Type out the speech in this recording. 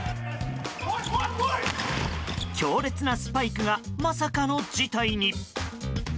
強烈なスパイクがまさかの事態に。